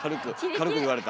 軽く言われた！